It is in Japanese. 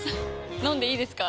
飲んでいいですか？